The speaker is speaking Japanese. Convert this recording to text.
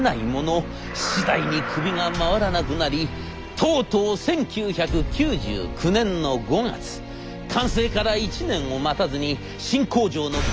次第に首が回らなくなりとうとう１９９９年の５月完成から１年を待たずに新工場の売却が決定。